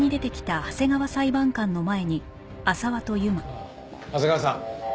ああ長谷川さん。